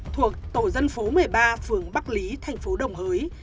thuộc tổ dân phố một mươi ba phường bắc lý thành phố đồng hới